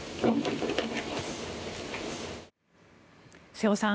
瀬尾さん